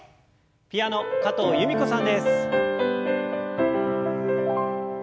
ピアノ加藤由美子さんです。